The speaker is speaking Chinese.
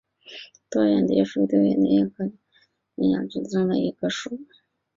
多眼蝶属是眼蝶亚科眼蝶族帕眼蝶亚族中的一个属。